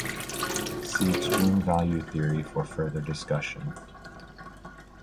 See extreme value theory for further discussion.